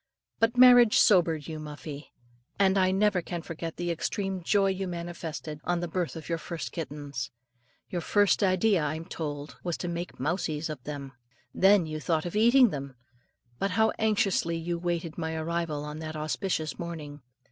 But marriage sobered you, Muffie; and I never can forget the extreme joy you manifested on the birth of your first kittens. Your first idea, I'm told, was to make "mousies" of them; then you thought of eating them. But how anxiously you waited my arrival on that auspicious morning.